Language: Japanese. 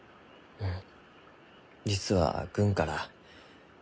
うん。